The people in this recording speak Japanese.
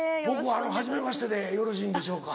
僕はじめましてでよろしいんでしょうか？